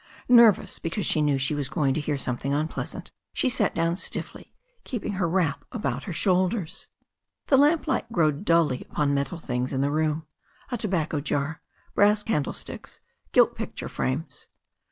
Nervous because she knew she was going to hear something unpleasant, she sat down stiffly, keeping her wrap about her shoulders. The lamplight glowed dully upon metal things in the room, a tobacco jar, brass candlesticks, gilt picture frames.